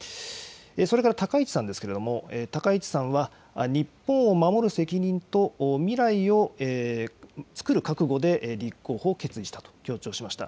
それから高市さんですけれども、高市さんは、日本を守る責任と未来をつくる覚悟で立候補を決意したと強調しました。